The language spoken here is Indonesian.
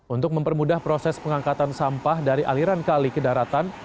untuk mempermudah proses pengangkatan sampah dari aliran kali ke daratan